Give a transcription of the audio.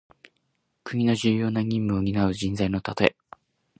国の重要な任務をになう人材のたとえ。